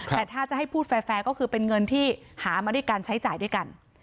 แต่ถ้าจะให้พูดแฟร์ก็คือเป็นเงินที่หามาด้วยการใช้จ่ายด้วยกัน